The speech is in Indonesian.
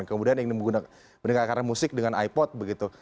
kemudian ingin menggunakan mendengar akar musik dengan ipod begitu